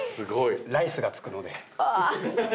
「ライス」がつくので。